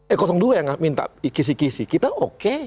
eh dua yang minta kisi kisi kita oke